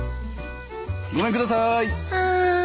ごめんください。